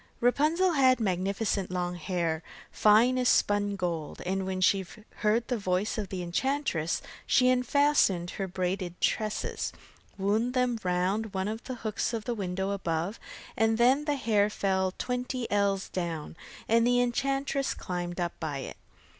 Rapunzel had magnificent long hair, fine as spun gold, and when she heard the voice of the enchantress she unfastened her braided tresses, wound them round one of the hooks of the window above, and then the hair fell twenty ells down, and the enchantress climbed up by it.